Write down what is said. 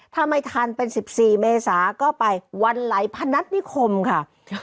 ถ้าไม่ทันเป็น๑๔เมษาก็ไปวันไหลพนัฐนิคมค่ะ